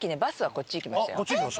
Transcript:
こっち行きました？